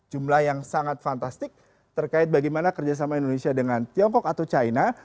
jumlah yang sangat fantastis terkait bagaimana kerjasama indonesia dengan tiongkok atau china